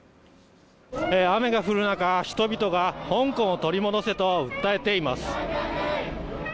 雨が降る中、人々が香港を取り戻せと訴えています。